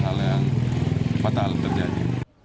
hal yang fatal terjadi